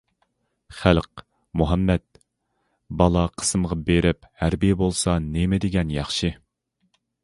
خالىق مۇھەممەد: بالا قىسىمغا بېرىپ ھەربىي بولسا نېمە دېگەن ياخشى!